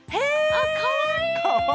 あかわいい！